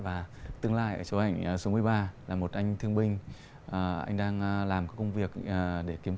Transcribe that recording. và tương lai ở chỗ ảnh số mươi ba là một anh thương binh anh đang làm cái công việc để kiếm